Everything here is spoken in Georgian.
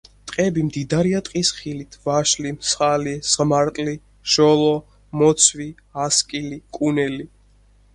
ტყეები მდიდარია ტყის ხილით: ვაშლი, მსხალი, ზღმარტლი, ჟოლო, მოცვი, ასკილი, კუნელი.